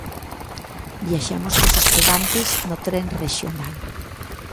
Viaxamos cos estudantes no tren rexional.